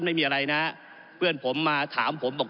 ก็ได้มีการอภิปรายในภาคของท่านประธานที่กรกครับ